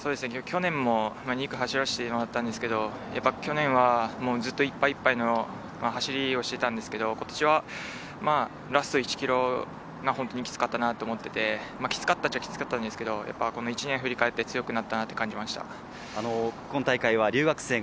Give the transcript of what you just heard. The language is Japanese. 去年も２区を走らせてもらったんですけど、去年はずっといっぱいいっぱいの走りをしていたんですけど、今年はラスト１ｋｍが本当にきつかったなと思っていて、きつかったっちゃきつかったんですけど、１年を振り返って強くなったと感じました。